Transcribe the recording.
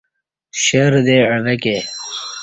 شیردے عوہ کے